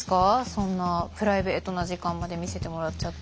そんなプライベートな時間まで見せてもらっちゃって。